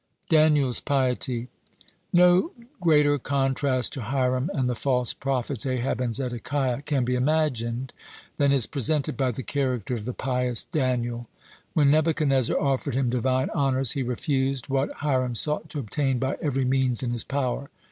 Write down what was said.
(108) DANIEL'S PIETY No greater contrast to Hiram and the false prophets Ahab and Zedekiah can be imagined than is presented by the character of the pious Daniel. When Nebuchadnezzar offered him Divine honors, (109) he refused what Hiram sought to obtain by every means in his power.